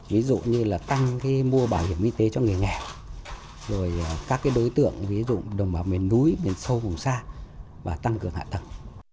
ví dụ như là tăng mua bảo hiểm y tế cho người nghèo rồi các đối tượng ví dụ đồng bào miền núi miền sâu vùng xa và tăng cường hạ tầng